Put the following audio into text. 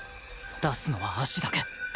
出すのは足だけ